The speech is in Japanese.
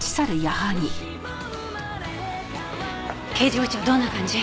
刑事部長どんな感じ？